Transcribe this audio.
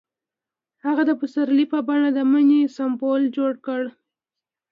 هغه د پسرلی په بڼه د مینې سمبول جوړ کړ.